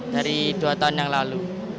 dari dua tahun yang lalu